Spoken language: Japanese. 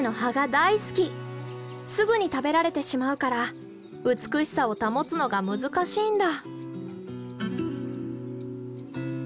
すぐに食べられてしまうから美しさを保つのが難しいんだ。